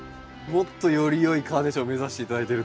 もっとよりよいカーネーションを目指して頂いてると。